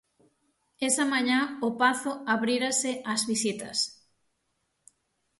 Esa mañá o Pazo abrírase ás visitas.